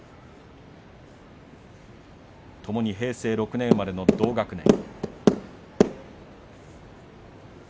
ともに平成６年生まれの同学年。